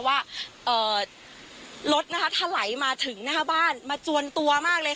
ว่ารถนะคะถลายมาถึงหน้าบ้านมาจวนตัวมากเลย